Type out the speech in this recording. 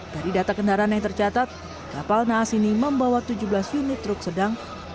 dari data kendaraan yang tercatat kapal naas ini membawa tujuh belas unit truk sedang